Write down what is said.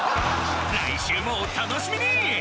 来週もお楽しみに！